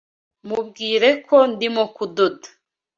Mubwire ko ndimo kudoda.